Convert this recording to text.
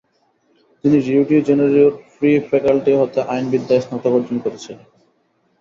তিনি রিও ডি জেনেরিও'র ফ্রি ফ্যাকাল্টি হতে আইনবিদ্যায় স্নাতক অর্জন করেছিলেন।